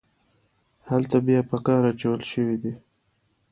هلته بیا په کار اچول شوي دي.